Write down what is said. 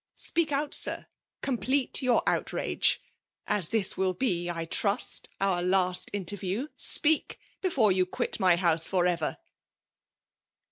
Speak out, sir, complete your outrage ! As this will be, I trust, our .last interview, — speak* before you quit my house for ever